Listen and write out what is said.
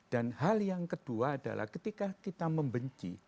dan hal yang kedua adalah ketika kita membenci